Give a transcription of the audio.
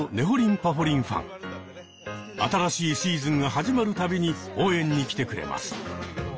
新しいシーズンが始まる度に応援に来てくれます。